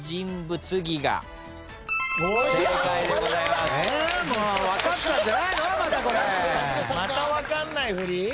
また分かんないふり？